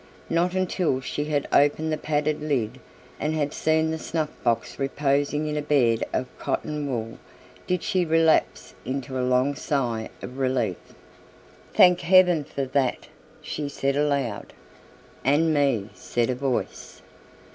Not until she had opened the padded lid and had seen the snuffbox reposing in a bed of cotton wool did she relapse into a long sigh of relief. "Thank heaven for that," she said aloud. "And me," said a voice.